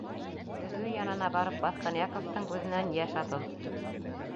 Көҙгө янына барып баҫҡан Яковтың күҙенән йәш атылып килеп сыҡты.